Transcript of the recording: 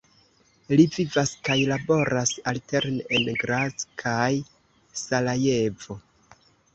Li vivas kaj laboras alterne en Graz kaj Sarajevo.